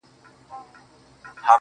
له څه مودې راهيسي داسـي يـمـه.